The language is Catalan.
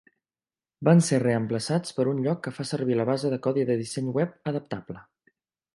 Van ser reemplaçats per un lloc que fa servir la base de codi de disseny web adaptable.